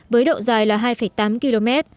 với độ dài là hai tám km